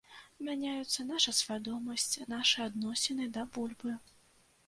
Мяняюцца наша свядомасць, нашы адносіны да бульбы.